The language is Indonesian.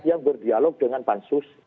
yang berdialog dengan pansus